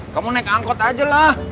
kamu naik angkot aja lah